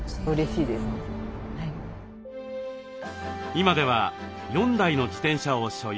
今では４台の自転車を所有。